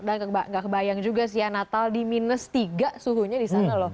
dan nggak kebayang juga sih ya natal di minus tiga suhunya di sana loh